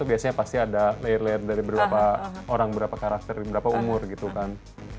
biasanya pasti ada layer layer dari berapa orang berapa karakter berapa umur gitu kan